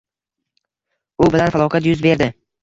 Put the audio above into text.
U bilan falokat yuz berdi